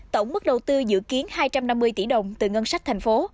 tổng mức đầu tư dự kiến hai trăm năm mươi tỷ đồng từ ngân sách thành phố